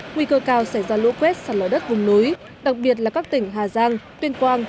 nguy cơ cao xảy ra lũ quét sạt lở đất vùng núi đặc biệt là các tỉnh hà giang tuyên quang